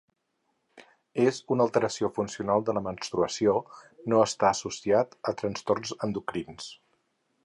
És una alteració funcional de la menstruació, no està associat a trastorns endocrins.